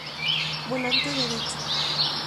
Volante derecho.